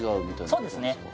そうですね